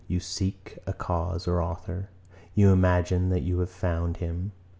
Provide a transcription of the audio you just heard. You seek a cause or author. You imagine that you have found him.